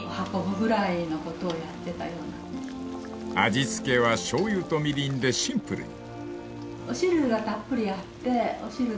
［味付けはしょうゆとみりんでシンプルに］